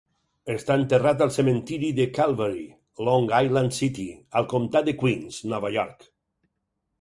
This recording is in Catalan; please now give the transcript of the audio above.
Està enterrat al cementiri de Calvary, Long Island City, al comtat de Queens, Nova York.